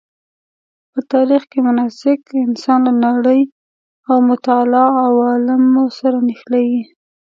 په تاریخ کې مناسک انسان له نړۍ او متعالي عوالمو سره نښلوي.